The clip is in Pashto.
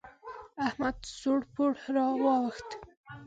احمد سوړ پوړ را واوښت.